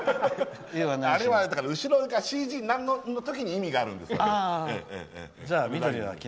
あれは、後ろがＣＧの時だから意味があるんですよ。